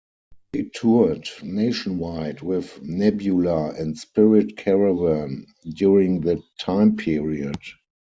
They toured nationwide with Nebula and Spirit Caravan during that time period.